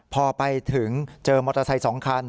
พอไปถึงเจอมอเตอร์ไซค์๒คัน